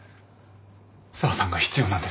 紗和さんが必要なんです。